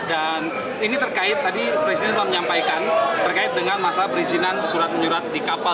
dan ini terkait tadi presiden telah menyampaikan terkait dengan masalah perizinan surat menyurat di kapal